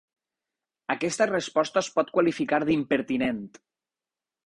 Aquesta resposta es pot qualificar d'impertinent.